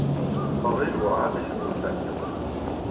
Faḍil werɛad iḥemmel Danya.